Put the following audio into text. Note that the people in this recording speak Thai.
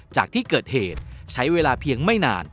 จากที่เกิดเหตุใช้เวลาเพียงไม่นาน